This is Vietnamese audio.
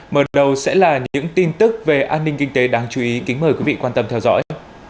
mở đầu sẽ là những tin tức về an ninh kinh tế đáng chú ý kính mời quý vị quan tâm theo dõi